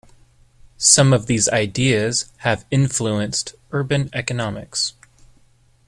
Some of these ideas have influenced urban economics.